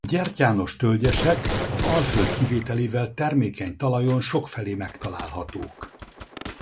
A gyertyános–tölgyesek az Alföld kivételével termékeny talajon sokfelé megtalálhatók.